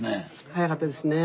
早かったですね。